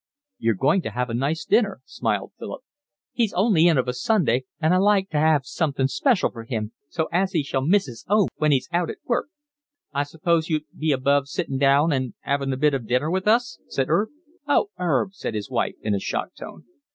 "You're going to have a nice dinner," smiled Philip. "He's only in of a Sunday and I like to 'ave something special for him, so as he shall miss his 'ome when he's out at work." "I suppose you'd be above sittin' down and 'avin' a bit of dinner with us?" said 'Erb. "Oh, 'Erb," said his wife, in a shocked tone.